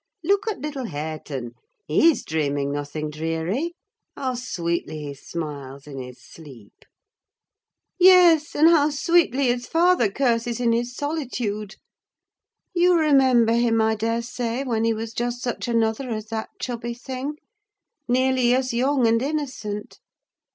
Look at little Hareton! he's dreaming nothing dreary. How sweetly he smiles in his sleep!" "Yes; and how sweetly his father curses in his solitude! You remember him, I daresay, when he was just such another as that chubby thing: nearly as young and innocent.